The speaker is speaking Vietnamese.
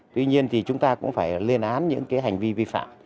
tuy nhiên thì chúng ta cũng phải lên án những cái hành vi vi phạm